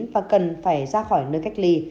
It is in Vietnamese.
và cần phải ra khỏi nơi cách ly